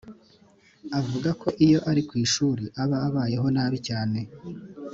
Avuga ko iyo ari kwishuri aba abayeho nabi cyane